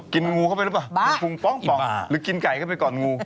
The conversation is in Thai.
งูเข้าไปหรือเปล่าพุงป้องหรือกินไก่เข้าไปก่อนงู